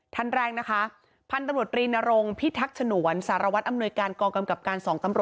ทันแรกนะคะ